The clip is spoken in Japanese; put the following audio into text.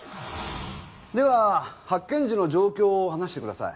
では発見時の状況を話してください。